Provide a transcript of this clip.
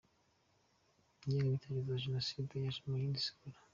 Ingengabitekerezo ya Jenoside yaje mu yindi sura.